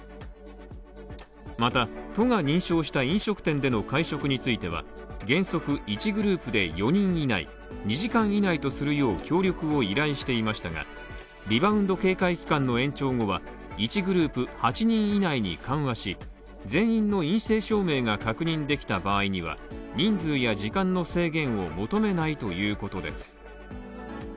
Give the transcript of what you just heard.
また、都が認証した飲食店での会食については、原則、１グループで４人以内２時間以内とするよう協力を依頼していましたが、リバウンド警戒期間の延長後は１グループ８人以内に緩和し、全員の陰性証明が確認できた場合には、人数や時間の制限を求めないということです。